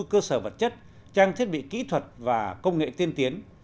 cơ sở vật chất trang thiết bị kỹ thuật và công nghệ tiên tiến